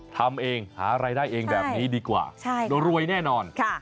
ทำเองหารายได้เองแบบนี้ดีกว่ารวยแน่นอน